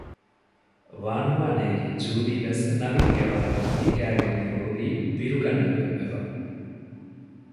ވާނުވާ ނޭގި ޖޫލީވެސް ނަވީންގެ ފަހަތުން ހިނގައިގަތް އިރު ހުރީ ބިރުގަންނަ ގޮތްވެފަ